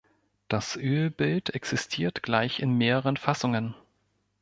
Das Ölbild existiert gleich in mehreren Fassungen.